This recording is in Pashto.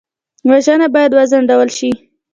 وژنه باید وځنډول شي